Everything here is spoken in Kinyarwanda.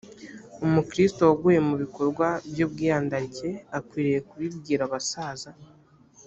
umukristo waguye mu bikorwa by ubwiyandarike akwiriye kubibwira abasaza